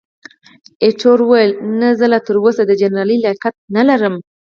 ایټور وویل، نه، زه لا تراوسه د جنرالۍ لیاقت نه لرم.